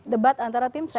debat antara tim ses